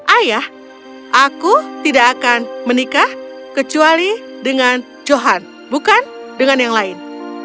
ayah aku tidak akan menikah kecuali dengan johan bukan dengan yang lain